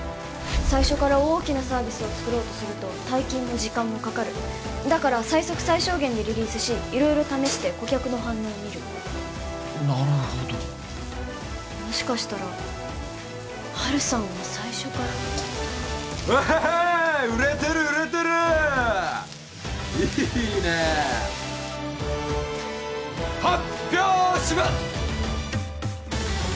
最初から大きなサービスを作ろうとすると大金も時間もかかるだから最速最小限でリリースし色々試して顧客の反応を見るなるほどもしかしたらハルさんは最初からウェーイ売れてる売れてるいいね発表します！